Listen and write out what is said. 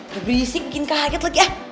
lebih disik bikin keharget lagi ah